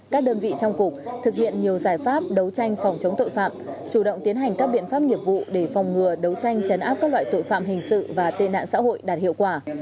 các đơn vị trong cục thực hiện nhiều giải pháp đấu tranh phòng chống tội phạm chủ động tiến hành các biện pháp nghiệp vụ để phòng ngừa đấu tranh chấn áp các loại tội phạm hình sự và tên nạn xã hội đạt hiệu quả